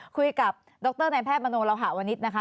คุยกับดรนายแพทย์มโนราวหาวนิตนะคะ